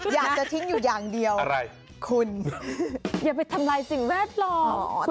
อยากจะทิ้งอยู่อย่างเดียวคุณอย่าไปทำลายสิ่งแวดล้อม